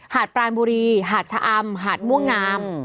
ดปรานบุรีหาดชะอำหาดม่วงงาม